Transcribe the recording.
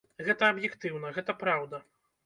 Гэта аб'ектыўна, гэта праўда!